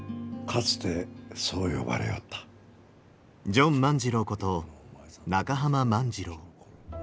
ジョン万次郎こと中濱万次郎。